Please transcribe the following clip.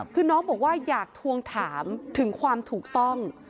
คือน้องบอกว่าอยากทวงถามถึงความถูกต้อง